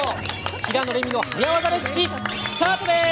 「平野レミの早わざレシピ」スタートです！